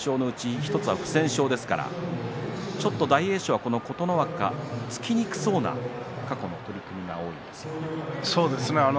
１つは不戦勝ですからちょっと大栄翔は琴ノ若突きにくそうなそうですね